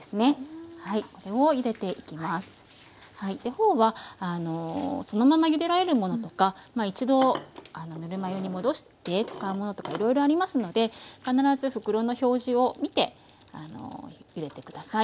フォーはそのままゆでられるものとか一度ぬるま湯に戻して使うものとかいろいろありますので必ず袋の表示を見てゆでて下さい。